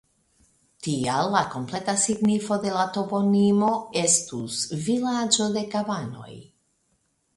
Tial la kompleta signifo de la toponimo estus "vilaĝo de kabanoj".